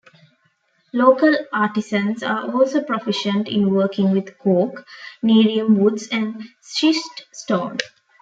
Local artisans are also proficient in working with cork, nerium woods and schist stone.